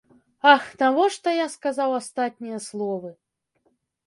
Ах, навошта я сказаў астатнія словы!